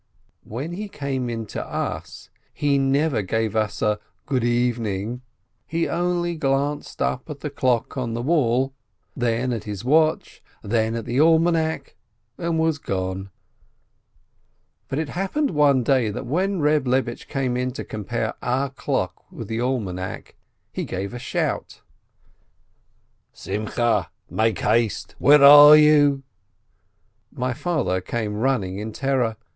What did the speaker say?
When he came in to us, he never gave us a "good evening," only glanced up at the clock on the wall, then at his watch, then at the almanac, and was gone ! But it happened one day that when Eeb Lebish came in to compare our clock with the almanac, he gave a shout : "Sim cheh ! Make haste ! Where are you ?" My father came running in terror.